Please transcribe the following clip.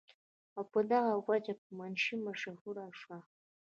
او پۀ دغه وجه پۀ منشي مشهور شو ۔